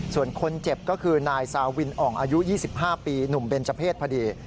ส่วนคนเจ็บก็คือนายซาวินอ่องอายุ๒๕ปีหนุ่มเบนเจอร์เพศพอดี